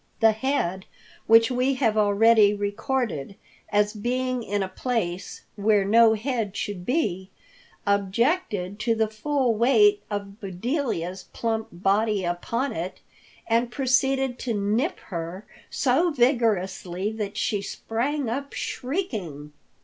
The head, which we have already recorded as being in a place where no head should be, objected to the full weight of Bedelia's plump body upon it, and proceeded to nip her so vigorously that she sprang up, shrieking.